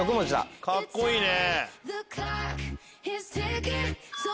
カッコいいね！